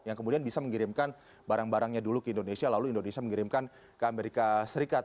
yang kemudian bisa mengirimkan barang barangnya dulu ke indonesia lalu indonesia mengirimkan ke amerika serikat